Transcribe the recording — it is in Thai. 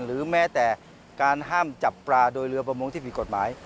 หรือแม้แต่การห้ามจับปลาโดยเรือประมงที่ผิดกฎหมาย